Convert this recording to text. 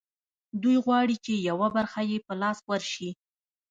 دوی غواړي چې یوه برخه یې په لاس ورشي